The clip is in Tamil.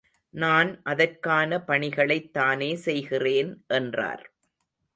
நான் அதற்கான பணிகளைத் தானே செய்கிறேன் என்றார்.